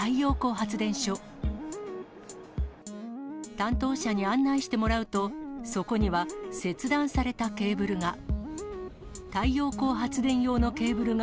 担当者に案内してもらうと、そこには、切断されたケーブルが。